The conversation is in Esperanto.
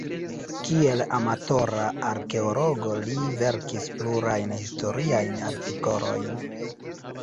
Kiel amatora arkeologo li verkis plurajn historiajn artikolojn.